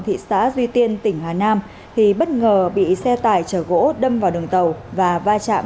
thị xã duy tiên tỉnh hà nam thì bất ngờ bị xe tải chở gỗ đâm vào đường tàu và va chạm